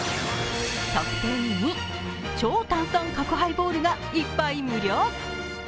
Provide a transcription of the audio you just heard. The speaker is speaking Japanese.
特典２、超炭酸角ハイボールが１杯無料。